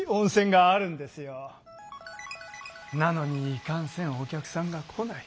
なのにいかんせんお客さんが来ない。